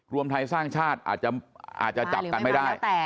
รวมไทยสร้างชาติอาจจะจับกันไม่ได้